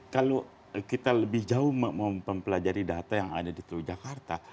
kalau kita lebih jauh mempelajari data yang ada di teluk jakarta